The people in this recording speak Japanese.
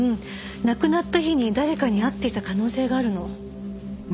亡くなった日に誰かに会っていた可能性があるの。